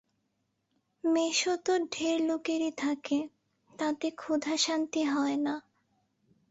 মেসো তো ঢের লোকেরই থাকে, তাতে ক্ষুধাশান্তি হয় না।